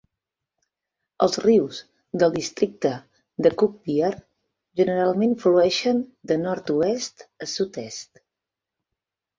Els rius del districte de Cooch Behar generalment flueixen de nord-oest a sud-est.